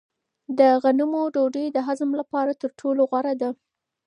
د غنمو ډوډۍ د هضم لپاره تر ټولو غوره ده.